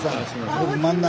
僕真ん中。